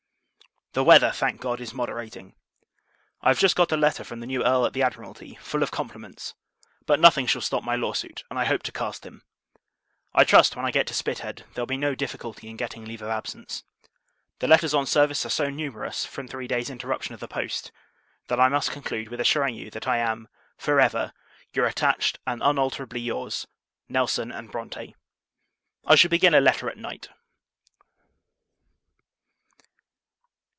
The weather, thank God, is moderating. I have just got a letter from the new Earl at the Admiralty, full of compliments. But nothing shall stop my law suit, and I hope to cast him. I trust, when I get to Spithead, there will be no difficulty in getting leave of absence. The letters on service are so numerous, from three days interruption of the post, that I must conclude with assuring you, that I am, for ever, your attached, and unalterably your's, NELSON & BRONTE. I shall begin a letter at night.